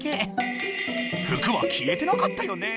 服は消えてなかったよね？